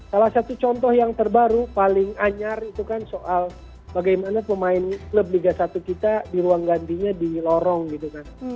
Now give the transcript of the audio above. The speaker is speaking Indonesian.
salah satu contoh yang terbaru paling anyar itu kan soal bagaimana pemain klub liga satu kita di ruang gantinya di lorong gitu kan